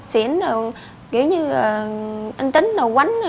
xỉn rồi kiểu như là anh tính là quánh